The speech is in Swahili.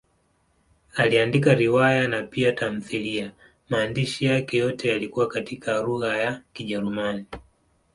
Aliandika riwaya na pia tamthiliya; maandishi yake yote yalikuwa katika lugha ya Kijerumani.